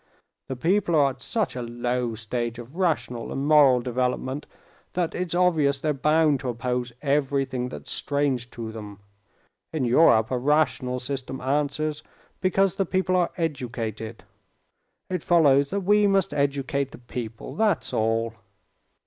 The people are at such a low stage of rational and moral development, that it's obvious they're bound to oppose everything that's strange to them. In Europe, a rational system answers because the people are educated; it follows that we must educate the people—that's all."